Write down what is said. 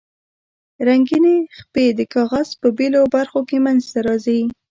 رنګینې خپې د کاغذ په بیلو برخو کې منځ ته راځي.